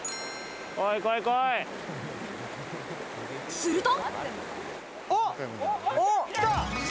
すると。